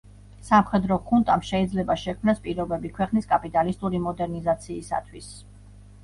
სამხედრო ხუნტამ შეიძლება შექმნას პირობები ქვეყნის კაპიტალისტური მოდერნიზაციისათვის.